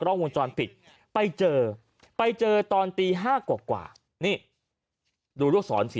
่องวงจรปิดไปเจอไปเจอตอนตี๕กว่านี่ดูลูกศรสิ